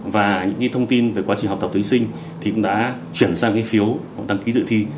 và những thông tin về quá trình học tập thí sinh thì cũng đã chuyển sang phiếu đăng ký dự thi